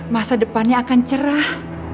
masa depannya akan cerah